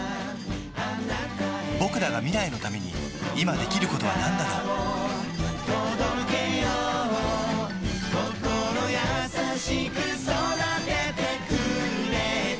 ぼくらが未来のために今できることはなんだろう心優しく育ててくれた